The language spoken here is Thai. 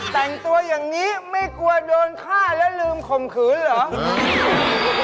แต่งตัวอย่างนี้ไม่กลัวโดนฆ่าแล้วลืมข่มขืนเหรอ